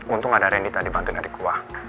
untung ada randy tadi bantuin adikku